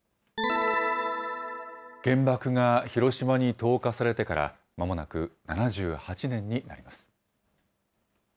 原爆が広島に投下されてから、まもなく７８年になります。